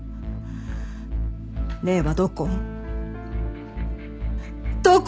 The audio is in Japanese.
礼はどこ？